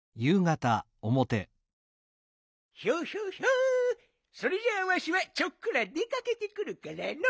ヒョヒョヒョ。それじゃあわしはちょっくら出かけてくるからのう。